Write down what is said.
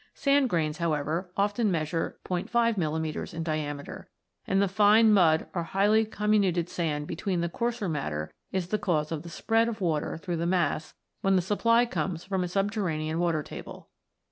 Sand grains, however, often measure *5 mm. in diameter, and the fine mud or highly comminuted sand between the coarser matter is the cause of the spread of water through the mass when the supply comes from a subterranean water table.